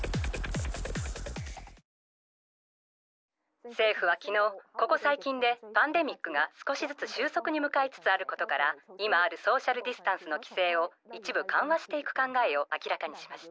「せいふはきのうここさい近でパンデミックが少しずつしゅうそくにむかいつつあることから今あるソーシャルディスタンスのきせいを一ぶかんわしていく考えを明らかにしました」。